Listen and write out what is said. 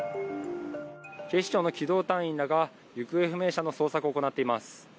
警視庁の機動隊員らが行方不明者の捜索を行っています。